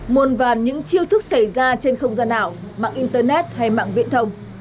muôn vàn những chiêu thức xảy ra trên không gian ảo mạng internet hay mạng viễn thông